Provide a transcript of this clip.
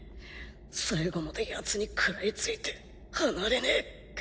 最後までヤツに食らいついて離れねえ。